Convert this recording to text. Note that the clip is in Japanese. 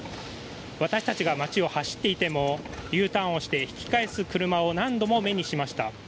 私たちが街を走っていてもＵターンをして引き返す車を何度も目にしました。